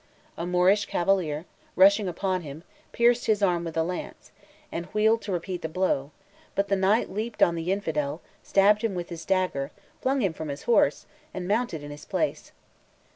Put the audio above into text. A Moorish cavalier, rushing upon him, pierced his arm with a lance, and wheeled to repeat the blow; but the knight leaped on the infidel, stabbed him with his dagger, flung him from his horse, and mounted in his place.